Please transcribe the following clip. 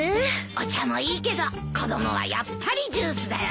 お茶もいいけど子供はやっぱりジュースだよな。